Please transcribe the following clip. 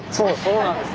そうなんです。